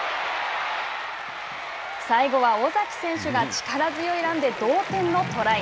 最後は尾崎選手が力強いランで同点のトライ。